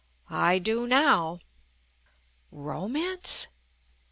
I DO NOW. Romance?